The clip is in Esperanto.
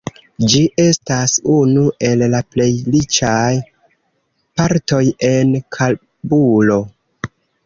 Ĝi estas unu el la plej riĉaj partoj en Kabulo.